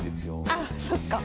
あそっか。